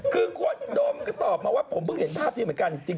คือคนโดมก็ตอบมาว่าผมเพิ่งเห็นภาพนี้เหมือนกันจริง